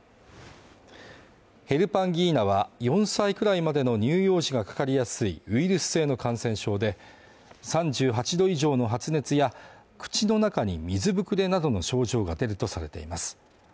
ヘルパンギーナは４歳くらいまでの乳幼児がかかりやすい、ウイルス性の感染症で、３８度以上の発熱や口の中に水ぶくれなどの症状が出るとされています。